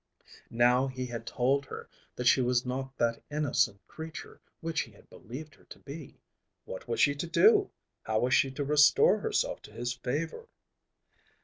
Now he had told her that she was not that innocent creature which he had believed her to be. What was she to do? How was she to restore herself to his favour?